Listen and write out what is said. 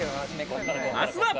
まずは。